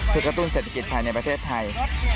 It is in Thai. คือกระตุ้นเศรษฐกิจภายในประเทศไทย